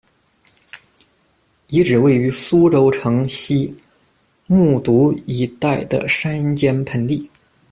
遗址位于苏州城西木渎一带的山间盆地。